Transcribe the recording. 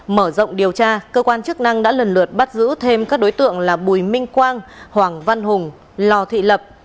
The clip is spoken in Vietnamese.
mở rộng điều tra cơ quan chức năng đã lần lượt bắt giữ thêm các đối tượng là bùi minh quang hoàng văn hùng lò thị lập